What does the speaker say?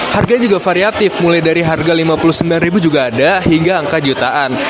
harganya juga variatif mulai dari harga rp lima puluh sembilan juga ada hingga angka jutaan